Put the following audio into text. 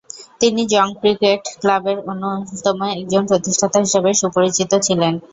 তিনি জং ক্রিকেট ক্লাবের অন্যতম একজন প্রতিষ্ঠাতা হিসেবে সুপরিচিত ছিলেন।